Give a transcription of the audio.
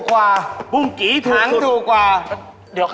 ราคาถูก